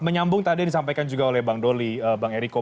menyambung tadi yang disampaikan juga oleh bang doli bang eriko